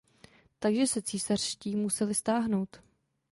Takže se císařští museli stáhnout.